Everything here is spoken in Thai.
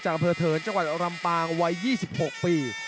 อำเภอเถินจังหวัดลำปางวัย๒๖ปี